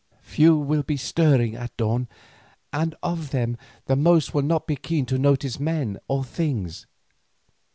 Few will be stirring at dawn, and of them the most will not be keen to notice men or things.